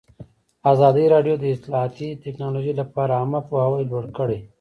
ازادي راډیو د اطلاعاتی تکنالوژي لپاره عامه پوهاوي لوړ کړی.